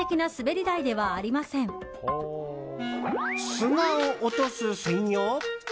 砂を落とす専用？